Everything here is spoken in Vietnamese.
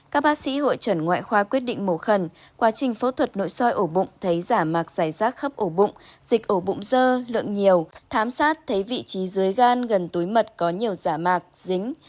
các bác sĩ hội trần ngoại khoa quyết định mổ khẩn quá trình phẫu thuật nội soi ổ bụng thấy giả mạc giải rác khắp ổ bụng dịch ổ bụng dơ lượng nhiều thám sát thấy vị trí dưới gan gần túi mật có nhiều giả mạc dính